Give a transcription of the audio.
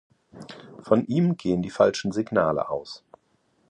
Von ihm gehen die falschen Signale aus.